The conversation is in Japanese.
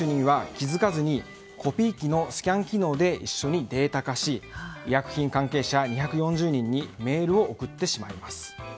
Ｂ主任は気づかずにコピー機のスキャン機能で一緒にデータ化し医薬品関係者２４０人にメールを送ってしまいます。